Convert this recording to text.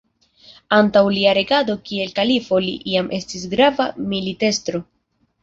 Antaŭ lia regado kiel kalifo li jam estis grava militestro.